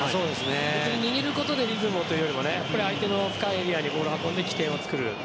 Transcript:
別に握ることでリズムをというより相手の深いエリアにボールを運んできて起点を作る。